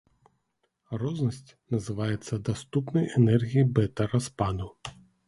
Рознасць называецца даступнай энергіяй бэта-распаду.